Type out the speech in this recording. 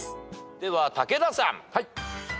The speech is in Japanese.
では武田さん。